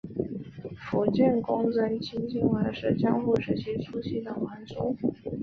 伏见宫贞清亲王是江户时代初期的皇族。